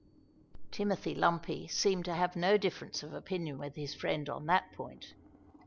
Timothy Lumpy seemed to have no difference of opinion with his friend on that point.